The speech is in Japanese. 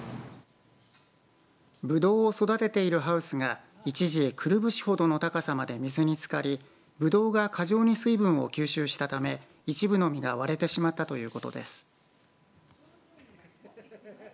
ぶどうを育てているハウスが一時、くるぶしほどの高さまで水につかりぶどうが過剰に水分を吸収したため一部の実が割れてしまったということです。